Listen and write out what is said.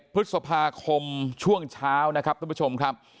พฤษภาคมช่วงเช้านะครับท่านผู้ชมครับ